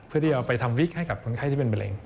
เพื่อที่จะเอาไปทำวิกให้กับคนไข้ที่เป็นแบรนด์